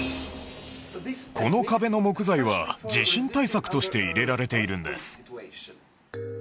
この壁の木材は地震対策として入れられているんです